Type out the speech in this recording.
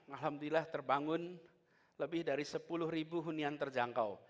alhamdulillah terbangun lebih dari sepuluh ribu hunian terjangkau